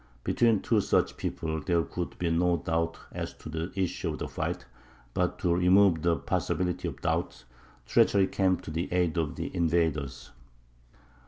Between two such peoples there could be no doubt as to the issue of the fight; but to remove the possibility of doubt, treachery came to the aid of the invaders.